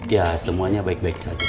ya semuanya baik baik saja